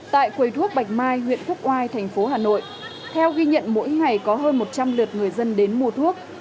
tại quầy thuốc bạch mai huyện quốc oai thành phố hà nội theo ghi nhận mỗi ngày có hơn một trăm linh lượt người dân đến mua thuốc